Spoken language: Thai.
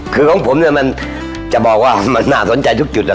คือของผมเนี่ยมันจะบอกว่ามันน่าสนใจทุกจุดแล้ว